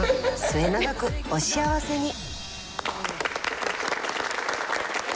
末永くお幸せに。